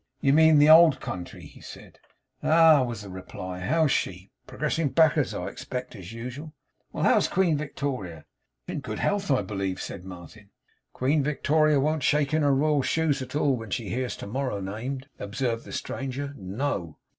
'You mean the old country?' he said. 'Ah!' was the reply. 'How's she? Progressing back'ards, I expect, as usual? Well! How's Queen Victoria?' 'In good health, I believe,' said Martin. 'Queen Victoria won't shake in her royal shoes at all, when she hears to morrow named,' observed the stranger, 'No.